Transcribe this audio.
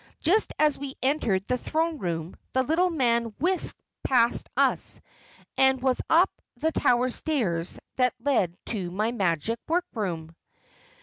Just as we entered the throne room, the little man whisked past us and was up the tower stairs that lead to my magic workroom."